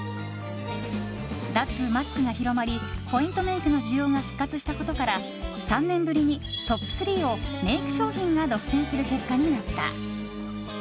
脱マスクが広まりポイントメイクの需要が復活したことから３年ぶりにトップ３をメイク商品が独占する結果になった。